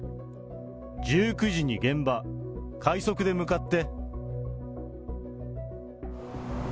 １９時に現場、快速で向かって。